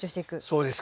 そうです